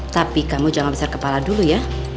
tapi kamu jangan besar kepala dulu ya